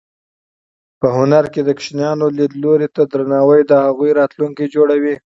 په هنر کې د ماشومانو لیدلوري ته درناوی د هغوی راتلونکی جوړوي.